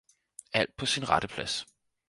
Alt på sin rette plads